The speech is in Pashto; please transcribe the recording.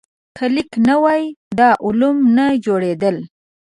که لیک نه وای، دا علوم نه جوړېدل.